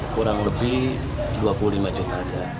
kurang lebih dua puluh lima juta aja